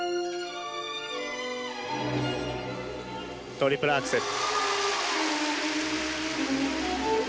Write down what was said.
トリプルアクセル。